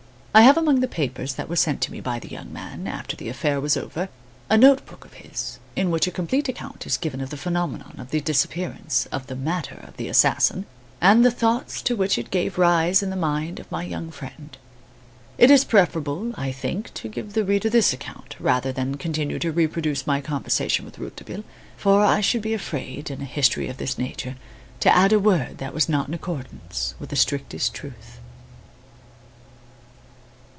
I have among the papers that were sent me by the young man, after the affair was over, a note book of his, in which a complete account is given of the phenomenon of the disappearance of the "matter" of the assassin, and the thoughts to which it gave rise in the mind of my young friend. It is preferable, I think, to give the reader this account, rather than continue to reproduce my conversation with Rouletabille; for I should be afraid, in a history of this nature, to add a word that was not in accordance with the strictest truth.